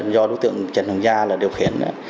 do đối tượng trần hằng gia là điều khiển